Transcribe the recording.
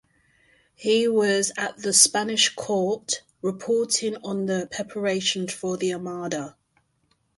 He was at the Spanish court reporting on preparations for the Armada.